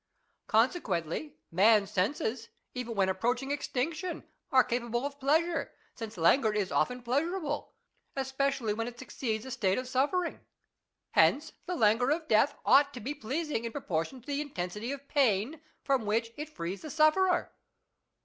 Consequently, man's senses, even when approaching extinction, are capable of pleasure ; since languor is often pleasurable, especially when it succeeds a state of suffering. Hence the languor of death ought to be pleasing in proportion to the intensity of pain from which it frees the sufferer.